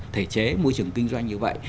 thể chế môi trường kinh doanh như vậy